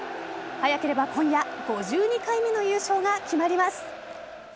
早ければ今夜５２回目の優勝が決まります。